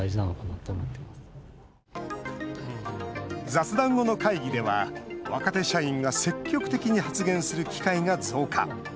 雑談後の会議では若手社員が積極的に発言する機会が増加。